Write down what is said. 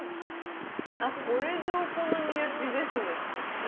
これぞお好み焼きですね。